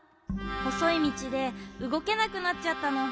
ほそいみちでうごけなくなっちゃったの。